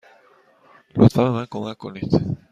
لطفا به من کمک کنید.